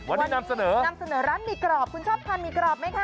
วันนี้นำเสนอนำเสนอร้านหมี่กรอบคุณชอบทานหมี่กรอบไหมคะ